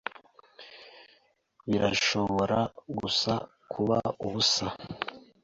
Birashobora gusa kuba ubusa.